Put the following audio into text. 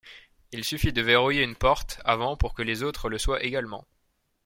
Il suffit de verrouiller une porte avant pour que les autres le soient également.